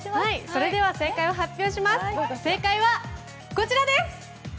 それでは正解を発表します。